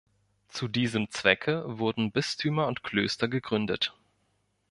Zu diesem Zwecke wurden Bistümer und Klöster gegründet.